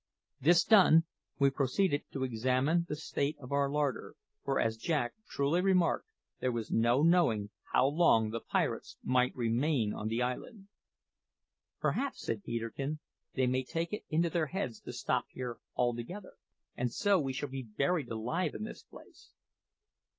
This done, we proceeded to examine into the state of our larder, for, as Jack truly remarked, there was no knowing how long the pirates might remain on the island. "Perhaps," said Peterkin, "they may take it into their heads to stop here altogether, and so we shall be buried alive in this place."